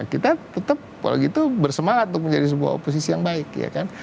kita tetap kalau gitu bersemangat untuk menjadi sebuah oposisi yang baik ya kan